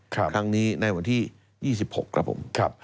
ครั้งนี้ในวันที่๒๖ครับผม